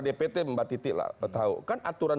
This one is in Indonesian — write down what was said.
dpt mbak titik lah betahu kan aturan